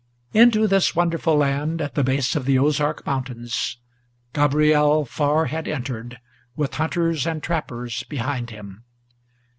Into this wonderful land, at the base of the Ozark Mountains, Gabriel far had entered, with hunters and trappers behind him.